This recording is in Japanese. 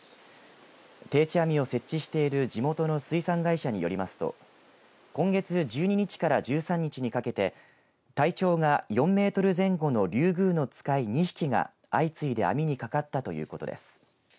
定置網を設置している地元の水産会社によりますと今月１２日から１３日にかけて体長が４メートル前後のリュウグウノツカイ２匹が相次いで網にかかったということです。